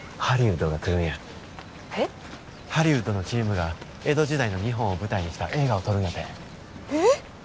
ハリウッドのチームが江戸時代の日本を舞台にした映画を撮るんやて。